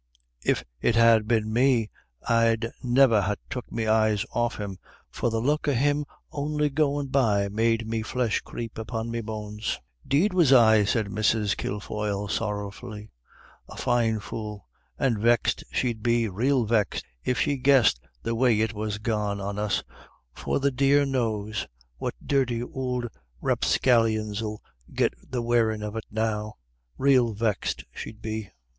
"If it had been me, I'd niver ha' took me eyes off him, for the look of him on'y goin' by made me flesh creep upon me bones." "'Deed was I," said Mrs. Kilfoyle, sorrowfully, "a fine fool. And vexed she'd be, rael vexed, if she guessed the way it was gone on us, for the dear knows what dirty ould rapscallions 'ill get the wearin' of it now. Rael vexed she'd be."